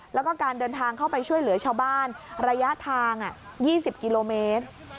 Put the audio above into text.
แล้วก็การเดินทางเข้าไปช่วยเหลือชาวบ้านระยะทาง๒๐กิโลเมตร